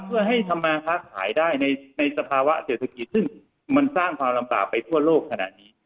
เพื่อให้ทำมาค้าขายได้ในสภาวะเศรษฐกิจซึ่งมันสร้างความลำบากไปทั่วโลกขนาดนี้